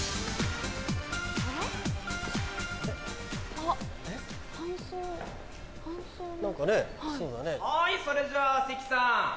はいそれじゃあ関さん。